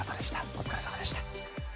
お疲れさまでした。